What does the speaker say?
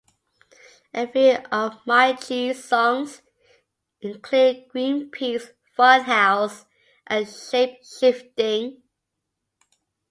A few of MyG's songs include Greenpeace, Funhouse, and Shape Shifting.